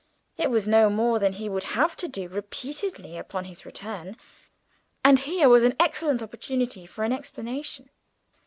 It was no more than he would have to do repeatedly upon his return, and here was an excellent opportunity for an explanation.